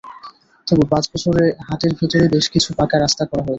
তবু পাঁচ বছরে হাটের ভেতরে বেশ কিছু পাকা রাস্তা করা হয়েছে।